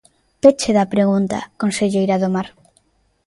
Peche da pregunta, conselleira do Mar.